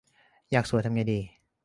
อยากสวยทำไงดี